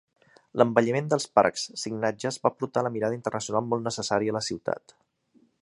L'embelliment dels parcs, signages va portar a la mirada internacional molt necessària a la ciutat.